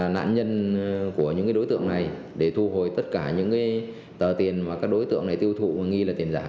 nạn nhân của những đối tượng này để thu hồi tất cả những tờ tiền mà các đối tượng này tiêu thụ mà nghi là tiền giả